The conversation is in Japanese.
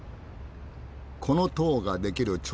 この塔が出来る